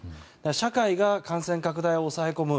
社会が感染拡大を抑え込む